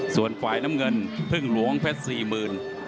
ส่วนฝ่ายน้ำเงินพึ่งหลวงเพชร๔๐ครั้ง